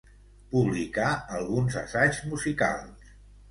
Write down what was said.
Publicà alguns assaigs musicals.